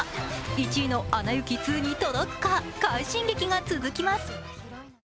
１位の「アナ雪２」に届くか、快進撃が続きます。